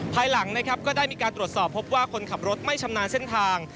ภายหลังนะครับก็ได้มีการตรวจสอบพบว่าคนขับรถไม่ชำนาญเส้นทาง